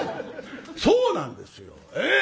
そうなんですよええ！